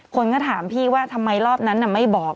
คนก็ถามพี่ว่าทำไมรอบนั้นไม่บอก